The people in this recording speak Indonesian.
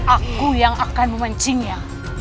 aku yang akan memancingnya